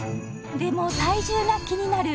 でも体重が気になる